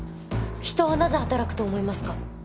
人はなぜ働くと思いますか？